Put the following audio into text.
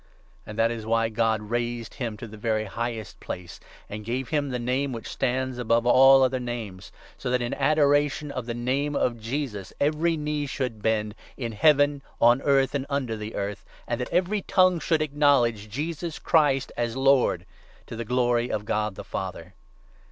And that is why God raised him to the 9 very highest place, and gave him the Name which stands above all other names, so that in adoration of the Name of 10 Jesus every knee should bend, in Heaven, on earth, and under the earth, and that every tongue should acknowledge JESUS n CHRIST as LORD— to the glory of God the Father.